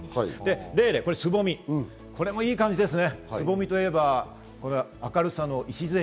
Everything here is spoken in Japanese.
レイレイは蕾、これもいい感じですね。